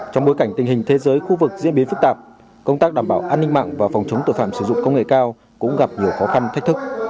trong bối cảnh tình hình thế giới khu vực diễn biến phức tạp công tác đảm bảo an ninh mạng và phòng chống tội phạm sử dụng công nghệ cao cũng gặp nhiều khó khăn thách thức